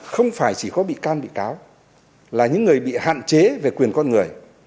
không phải chỉ có bị can bị cáo là những người bị hạn chế về quyền con người